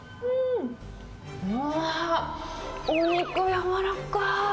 うわー、お肉軟らかい。